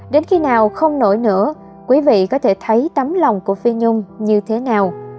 đến khi nào không nổi nữa quý vị có thể thấy tấm lòng của phi nhung như thế nào